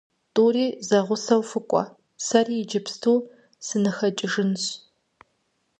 ТӀури зэгъусэу фыкӀуэ, сэри иджыпсту сыныхэкӀыжынщ.